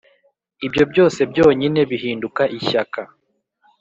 ibyo, byose byonyine, bihinduka ishyaka.